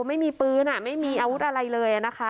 ไม่มีปืนไม่มีอาวุธอะไรเลยนะคะ